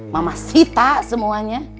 mama sita semuanya